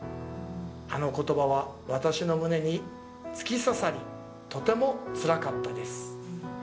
あの言葉は私の胸に突き刺さりとてもつらかったです。